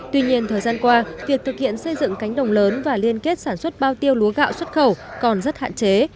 tuy nhiên thời gian qua việc thực hiện xây dựng cánh đồng lớn và liên kết sản xuất bao tiêu lúa gạo xuất khẩu còn rất hạn chế